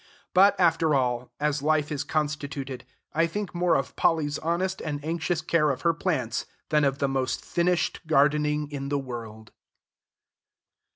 But, after all, as life is constituted, I think more of Polly's honest and anxious care of her plants than of the most finished gardening in the world.